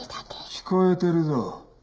聞こえてるぞ。